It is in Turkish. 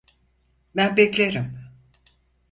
Ben beklerim.